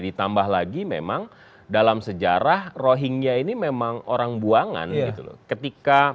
ditambah lagi memang dalam sejarah rohingya ini memang orang buangan gitu loh